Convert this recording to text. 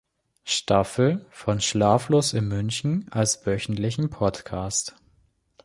Staffel von „Schlaflos in München“ als wöchentlichen Podcast.